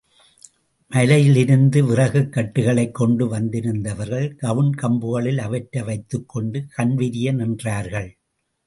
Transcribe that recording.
மலையில் இருந்து விறகுக் கட்டுக்களைக் கொண்டு வந்திருந்தவர்கள் கவுண் கம்புகளில் அவற்றை வைத்துக் கொண்டு கண்விரிய நின்றார்கள்.